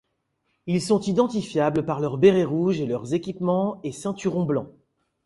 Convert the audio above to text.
Ils sont identifiables par leur béret rouge et leurs équipements et ceinturons blancs.